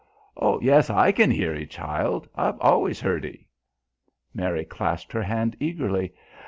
"Yes, I can hear 'ee, child. I've allus heard 'ee." Mary clasped her hand eagerly.